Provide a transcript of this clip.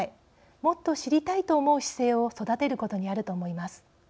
もっと知りたいと思う姿勢を育てることにあると思います。